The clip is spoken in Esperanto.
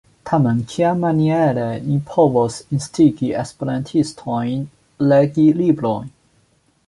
Tamen kiamaniere ni povos instigi esperantistojn legi librojn?